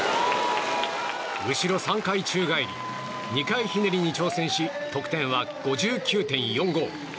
後ろ３回宙返り２回ひねりに挑戦し得点は５９．４５。